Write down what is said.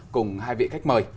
cùng hai vị khách mời